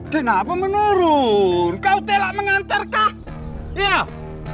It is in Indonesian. kenapa menurun kau telat mengantar kah